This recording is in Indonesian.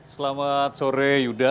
selamat sore yuda